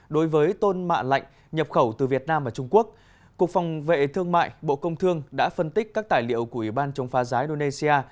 đối với tôn mạ lạnh nhập khẩu từ việt nam và trung quốc cục phòng vệ thương mại bộ công thương đã phân tích các tài liệu của ủy ban chống phá giá indonesia